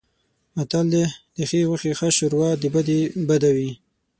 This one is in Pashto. متل دی: د ښې غوښې ښه شوروا د بدې بده وي.